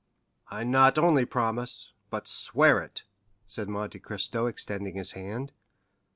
"I not only promise, but swear it!" said Monte Cristo extending his hand.